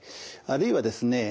あるいはですね